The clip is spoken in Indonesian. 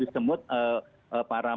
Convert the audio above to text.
eh para masyarakat